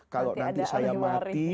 kalau nanti saya mati